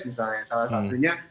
misalnya salah satunya